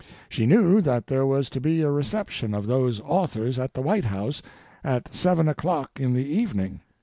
She knew that there was to be a reception of those authors at the White House at seven o'clock in the evening.